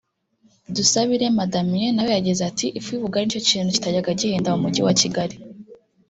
Dusabirema Damien nawe yagize ati “Ifu y’ubugari nicyo kintu kitajyaga gihenda mu Mujyi wa Kigali